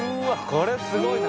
これすごいな！